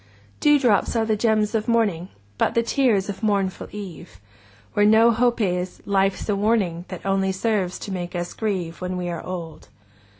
Dewdrops are the gems of morning, But the tears of mournful eve! 40 Where no hope is, life 's a warning That only serves to make us grieve, When we are old!